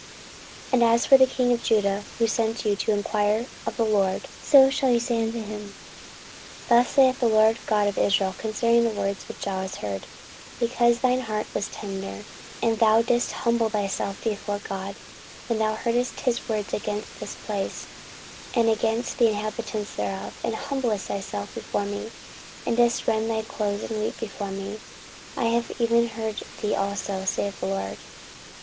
14:034:026 And as for the king of Judah, who sent you to enquire of the LORD, so shall ye say unto him, Thus saith the LORD God of Israel concerning the words which thou hast heard; 14:034:027 Because thine heart was tender, and thou didst humble thyself before God, when thou heardest his words against this place, and against the inhabitants thereof, and humbledst thyself before me, and didst rend thy clothes, and weep before me; I have even heard thee also, saith the LORD.